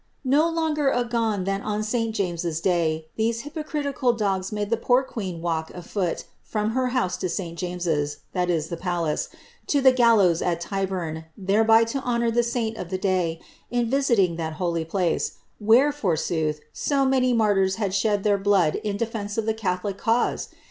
^ No longer agone than on St James's day,' these hypocritical dogs made the poor queen walk a foot from her house at St James% (the palace,) to the gallows at Tyburn, thereby to honour the saint of the day, in visiting that holy place, where, forsooth, so many martyrs had shed their blood in defence of the catholic cause!